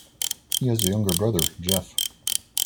He has a younger brother, Jeff.